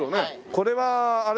これはあれ？